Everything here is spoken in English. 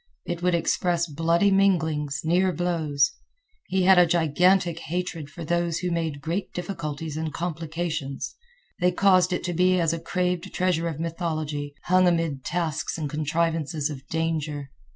It would express bloody minglings, near blows. He had a gigantic hatred for those who made great difficulties and complications. They caused it to be as a craved treasure of mythology, hung amid tasks and contrivances of danger.